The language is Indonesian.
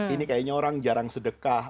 ini kayaknya orang jarang sedekah